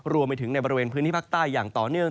รวมไปถึงในบริเวณพื้นที่ภาคใต้อย่างต่อเนื่อง